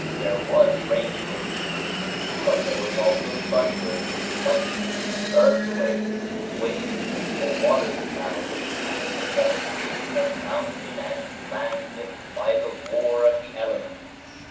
There was rain, it is true, but there was also thunder, lightning, earthquakes, wind, a water spout, and a devastation of mountain and land by the war of the elements.